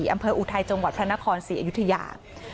อำเภออุไทยจังหวัดพระนคร๔อยุธยา